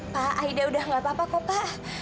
pak aida udah gak apa apa kok pak